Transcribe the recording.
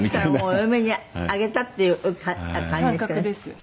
「お嫁にあげたっていう感じ」「感覚です」